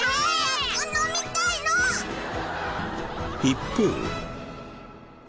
一方。